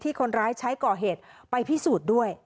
คนร้ายใช้ก่อเหตุไปพิสูจน์ด้วย